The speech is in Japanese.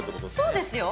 そうですよ。